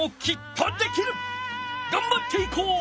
がんばっていこう！